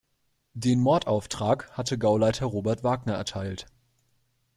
Den Mordauftrag hatte Gauleiter Robert Wagner erteilt.